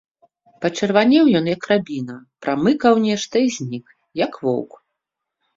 Пачырванеў ён, як рабіна, прамыкаў нешта і знік, як воўк.